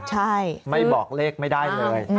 ใช่ไม่บอกเลขไม่ได้เลย